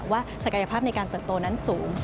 ศักยภาพในการเติบโตนั้นสูง